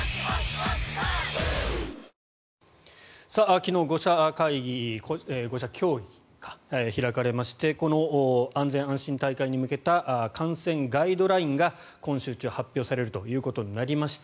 昨日５者協議が開かれましてこの安全安心な大会に向けた観戦ガイドラインが今週中に発表されるということになりました。